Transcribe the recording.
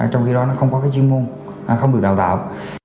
trong khi đó nó không có cái chuyên môn không được đào tạo